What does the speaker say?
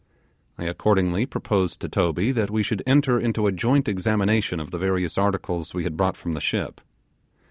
I accordingly proposed to Toby that we should enter into a joint examination of the various articles we had brought from the ship.